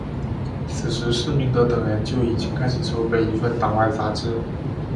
此时施明德等人就已经开始筹划一份党外杂志。